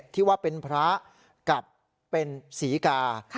ที่ว่าเป็นพระกับเป็นศรีกา